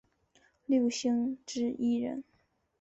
六星之一人。